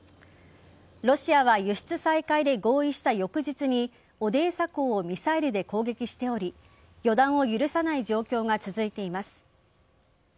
ロシアは輸出再開で合意した翌日にオデーサ港をミサイルで攻撃しており予断を許さない状況が続いてます。